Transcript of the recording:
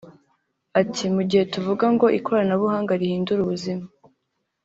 Ati “mu gihe tuvuga ngo ikoranabuhanga rihindure ubuzima